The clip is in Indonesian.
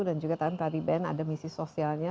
dan juga tadi ben ada misi sosialnya